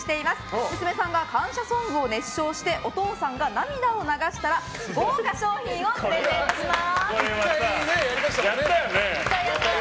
娘さんが感謝ソングを熱唱してお父さんが涙を流したら豪華賞品をプレゼントいたします。